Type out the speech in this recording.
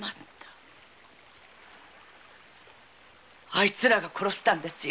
あいつらが殺したんですよ！